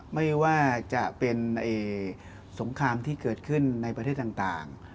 ไม่ว่าจะเป็นสงครามที่เกิดขึ้นในประเทศต่าง